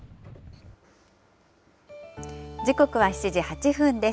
時刻は７時８分です。